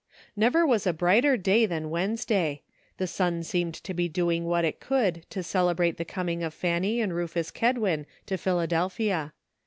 Never was a brighter day than Wednesday ; the sun seemed to be doing what it could to celebrate the coming of Fanny and Rufus Ked win to Philadelphia.